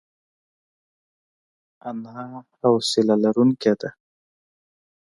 انا د حوصله لرونکې ده